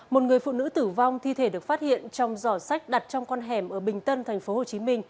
một người phụ nữ tử vong thi thể được phát hiện trong giỏ sách đặt trong con hẻm ở bình tân tp hcm